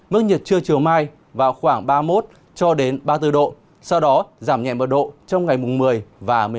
mức nhiệt trưa chiều mai vào khoảng ba mươi một cho đến ba mươi bốn độ sau đó giảm nhẹ độ trong ngày mùng một mươi và một mươi sáu